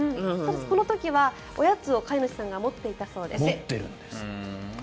この時はおやつを飼い主さんが持っているんです。